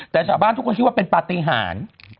แต่ชาวบ้านทุกคนคิดว่าเป็นปฏิหาร